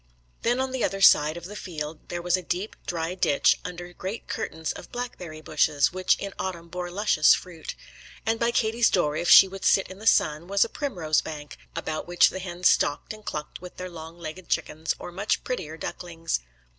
Then on the other side of the field there was a deep, dry ditch under great curtains of blackberry bushes, which in autumn bore luscious fruit. And by Katie's door, if she would sit in the sun, was a primrose bank, about which the hens stalked and clucked with their long legged chickens or much prettier ducklings.